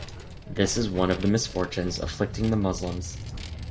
This is one of the misfortunes afflicting the Muslims.